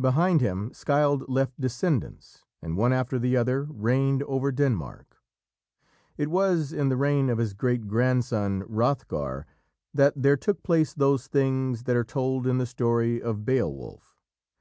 Behind him Scyld left descendants, and one after the other reigned over Denmark. It was in the reign of his great grandson, Hrothgar, that there took place those things that are told in the story of Beowulf.